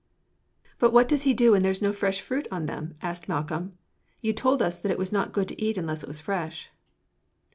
"Put what does he do when there is no fresh fruit on them?" asked Malcolm. "You told us that it was not good to eat unless it was fresh."